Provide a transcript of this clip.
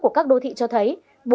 của các đô thị cho thấy